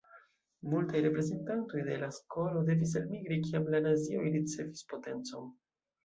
Multaj reprezentantoj de la skolo devis elmigri, kiam la nazioj ricevis potencon.